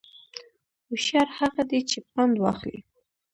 هوشیار هغه دی چې پند واخلي